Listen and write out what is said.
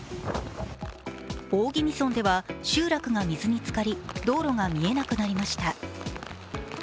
大宜味村では集落が水につかり道路が見えなくなりました。